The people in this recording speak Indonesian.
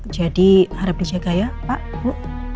jadi harap dijaga ya pak bu